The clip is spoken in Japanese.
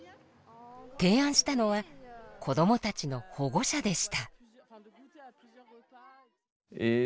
提案したのは子どもたちの保護者でした。